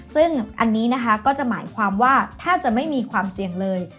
ซึ่งอันนี้นะคะก็จะหมายความว่าแทบจะไม่มีความเสี่ยงเลย